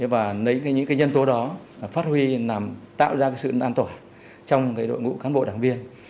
và lấy những cái nhân tố đó phát huy làm tạo ra sự an tỏa trong đội ngũ cán bộ đảng viên